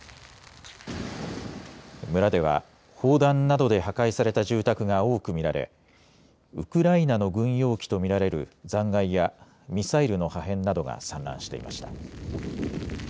村では砲弾などで破壊された住宅が多く見られウクライナの軍用機と見られる残骸やミサイルの破片などが散乱していました。